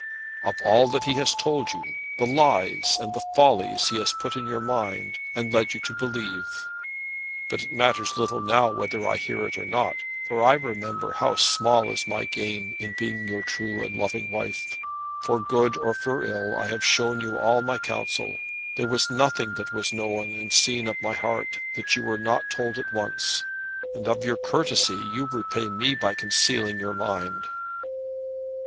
"Of all that he has told you, the lies and the follies he has put in your mind, and led you to believe. But it matters little now whether I hear it or not, for I remember how small is my gain in being your true and loving wife. For good or for ill I have shown you all my counsel. There was nothing that was known and seen of my heart that you were not told at once; and of your courtesy you repay me by concealing your mind.